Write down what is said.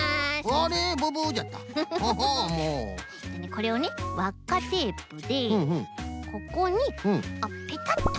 これをねわっかテープでここにペタッと。